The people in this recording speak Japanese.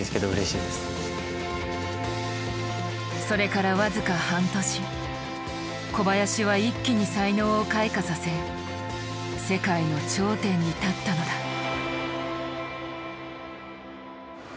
それから僅か半年小林は一気に才能を開花させ世界の頂点に立ったのだ。